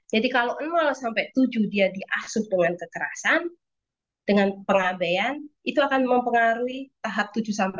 jadi kalau sampai tujuh dia diasuh dengan kekerasan dengan pengabeyan itu akan mempengaruhi tahap tujuh sampai tujuh